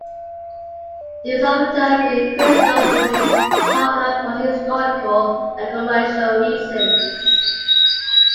The use of the term "lead crystal" remains popular for historical and commercial reasons.